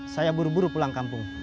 saya buru buru pulang kampung